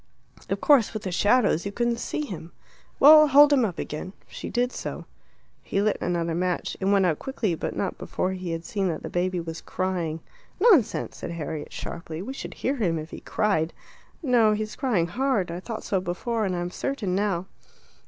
"Of course with the shadows you couldn't see him." "Well, hold him up again." She did so. He lit another match. It went out quickly, but not before he had seen that the baby was crying. "Nonsense," said Harriet sharply. "We should hear him if he cried." "No, he's crying hard; I thought so before, and I'm certain now."